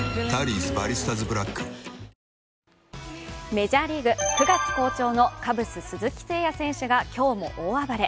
メジャーリーグ、９月好調のカブス・鈴木誠也選手が今日も大暴れ。